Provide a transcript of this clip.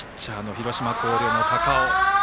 広島・広陵の高尾。